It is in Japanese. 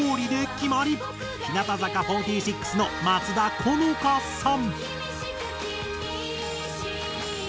日向坂４６の松田好花さん。